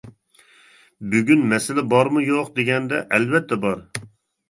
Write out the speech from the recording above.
بۈگۈن مەسىلە بارمۇ-يوق دېگەندە، ئەلۋەتتە بار.